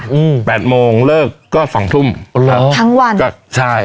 ยังก็วันทั้งวัน